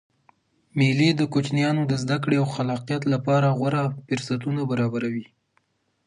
مېلې د کوچنيانو د زدکړي او خلاقیت له پاره غوره فرصتونه برابروي.